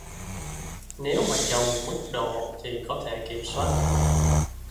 Nếu mà chồng mức độ thì có thể kiểm soát